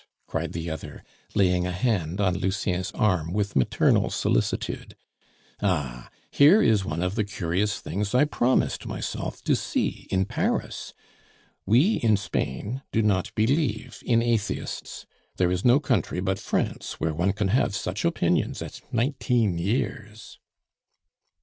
cried the other, laying a hand on Lucien's arm with maternal solicitude. "Ah! here is one of the curious things I promised myself to see in Paris. We, in Spain, do not believe in atheists. There is no country but France where one can have such opinions at nineteen years."